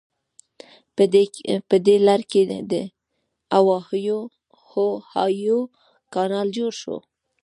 په دې لړ کې اوهایو کانال جوړ شو.